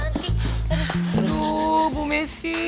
aduh bu messi